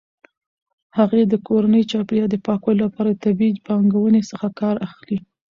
هغې د کورني چاپیریال د پاکوالي لپاره د طبیعي پاکونکو څخه کار اخلي.